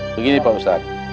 begini pak ustad